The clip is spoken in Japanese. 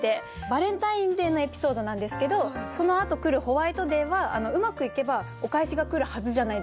バレンタインデーのエピソードなんですけどそのあと来るホワイトデーはうまくいけばお返しが来るはずじゃないですか。